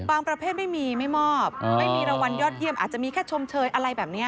ประเภทไม่มีไม่มอบไม่มีรางวัลยอดเยี่ยมอาจจะมีแค่ชมเชยอะไรแบบนี้